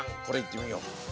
これいってみよう！